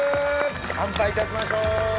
乾杯いたしましょう。